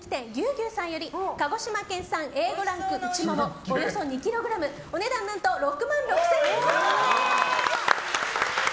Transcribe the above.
牛さんより、鹿児島県産Ａ５ランクうちももおよそ２ｋｇ、お値段何と６万６０００円相当です！